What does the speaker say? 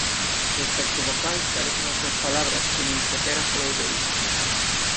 Respecto do cal carecen as súas palabras que nin sequera falou deles.